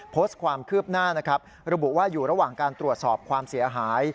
โพสต์ความคืบหน้านะครับระบุว่าอยู่ระหว่างการตรวจสอบความเสียหาย